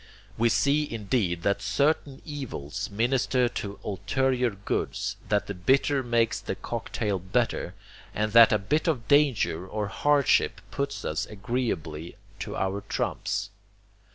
We see indeed that certain evils minister to ulterior goods, that the bitter makes the cocktail better, and that a bit of danger or hardship puts us agreeably to our trumps.